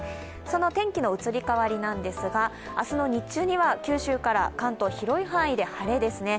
その天気の移り変わりなんですが、明日の日中には九州から関東広い範囲で晴れですね。